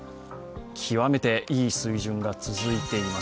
極めていい水準が続いています。